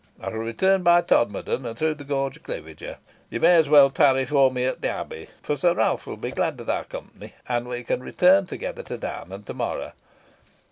I shall return by Todmorden, and through the gorge of Cliviger. You may as well tarry for me at the Abbey, for Sir Ralph will be glad of thy company, and we can return together to Downham to morrow."